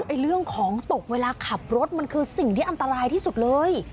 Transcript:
แบบของตกเวลาขับรถมันคือสิ่งอันตรายที่สุดเลย